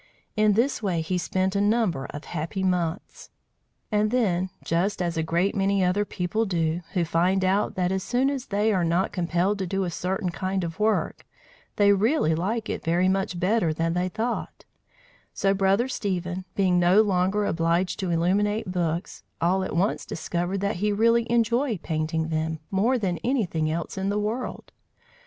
In this way he spent a number of happy months. And then, just as a great many other people do, who find out that as soon as they are not compelled to do a certain kind of work, they really like it very much better than they thought, so, Brother Stephen, being no longer obliged to illuminate books, all at once discovered that he really enjoyed painting them more than anything else in the world.